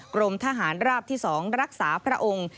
กรมทหารราบที่๒รักษาพระองค์